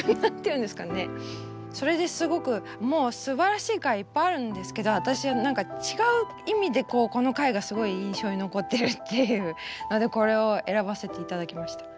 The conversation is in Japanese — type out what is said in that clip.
それですごくもうすばらしい回いっぱいあるんですけど私は何か違う意味でこの回がすごい印象に残ってるっていうのでこれを選ばせて頂きました。